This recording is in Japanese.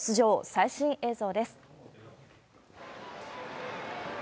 最新映像です。